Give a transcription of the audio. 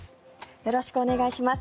よろしくお願いします。